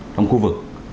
trong khu vực